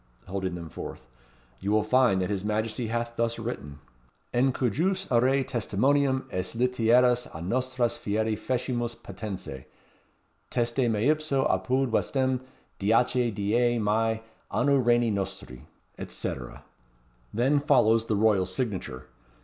holding them forth. "You will find that his Majesty hath thus written; '_In cujus rei testimonium has Literas nostras fieri fecimus patentes. Teste Meipso, apud Westm. 10 die Maij, Anno Regni nostri_,' &c. Then follows the royal signature.